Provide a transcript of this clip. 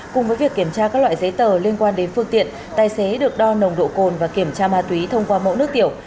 cùng với việc kiểm tra các loại giấy tờ liên quan đến phương tiện tài xế được đo nồng độ cồn và kiểm tra ma túy thông qua mẫu nước tiểu